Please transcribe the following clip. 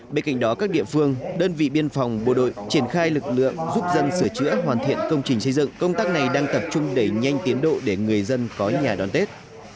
bên cạnh đó các địa phương đơn vị biên phòng bộ đội triển khai lực lượng giúp dân sửa chữa hoàn thiện công trình xây dựng công tác này đang tập trung đẩy nhanh tiến độ để người dân có nhà đón tết